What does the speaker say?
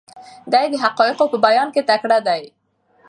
دی د حقایقو په بیان کې تکړه دی.